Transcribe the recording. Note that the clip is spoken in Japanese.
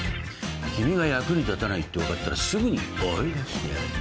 君が役に立たないって分かったらすぐに追い出してやる。